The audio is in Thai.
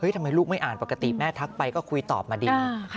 ทำไมลูกไม่อ่านปกติแม่ทักไปก็คุยตอบมาดี